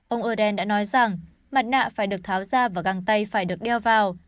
ông eren đã nói rằng mặt nạ phải được tháo ra và găng tay phải được đeo vào